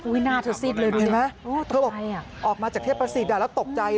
อุ๊ยหน้าเธอซิดเลยตกใจอ่ะออกมาจากเทพศรีดาแล้วตกใจ